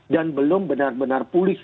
dan belum benar benar pulih